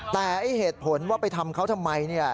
แต่เหตุผลว่าไปทำเขาทำไม